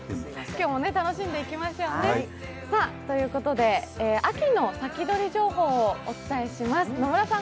今日も楽しんでいきましょうね。ということで秋の先取り情報をお伝えします。